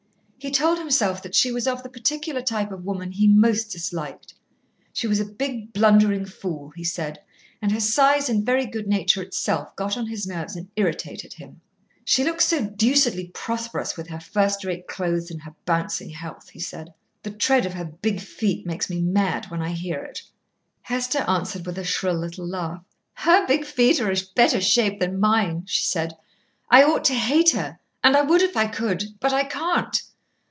He told himself that she was of the particular type of woman he most disliked. She was a big, blundering fool, he said, and her size and very good nature itself got on his nerves and irritated him. "She looks so deucedly prosperous with her first rate clothes and her bouncing health," he said. "The tread of her big feet makes me mad when I hear it." Hester answered with a shrill little laugh. "Her big feet are a better shape than mine," she said. "I ought to hate her, and I would if I could, but I can't."